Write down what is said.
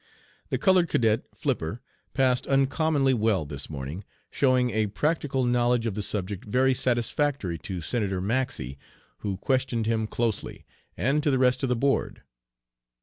The colored cadet, Flipper, passed uncommonly well this morning, showing a practical knowledge of the subject very satisfactory to Senator Maxey, who questioned him closely, and to the rest of the board.